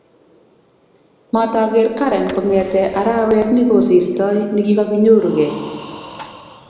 Matageer Karen kongete arawet nigosirtoi nikigakinyorugei